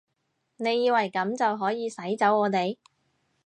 你以為噉就可以使走我哋？